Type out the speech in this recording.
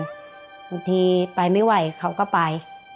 บางทีไปไม่ไหวเขาก็ไป